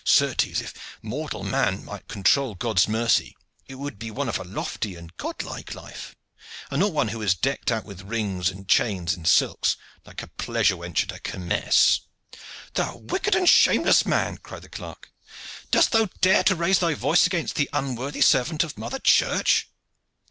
Certes, if mortal man might control God's mercy, it would be one of a lofty and God like life, and not one who is decked out with rings and chains and silks, like a pleasure wench at a kermesse. "Thou wicked and shameless man!" cried the clerk. "Dost thou dare to raise thy voice against the unworthy servant of mother Church?"